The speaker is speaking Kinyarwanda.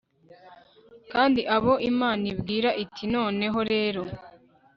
kandi abo imana ibwira iti noneho rero